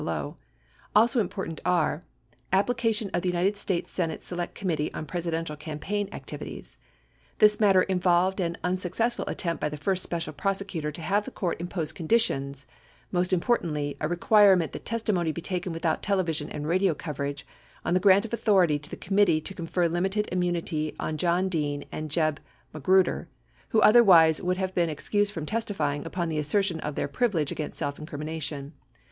below. Also important are : Application of United States Senate Select Committee on Pres idential Campaign Activities , 2 This matter involved an unsuc cessful attempt by the first Special Prosecutor to have the court impose conditions — most importantly, a requirement that testi 1 LA pp. 2154—55. 2 LA p. 388 et seq. (1079) 1080 mony be taken without television and radio coverage — on the grant of authority to the committee to confer limited immunity on John Dean and Jeb Magruder who otherwise would have been excused from testifying upon the assertion of their privilege against self incrimination.